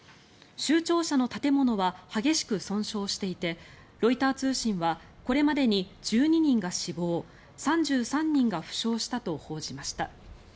州庁舎の建物は激しく損傷していてロイター通信はこれまでに１２人が死亡３３人が負傷したと報じました。